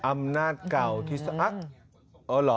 อำนาจเก่าที่สร้างโอยเหรอ